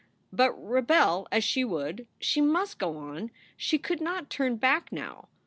But rebel as she would, she must go on. She could not turn back now.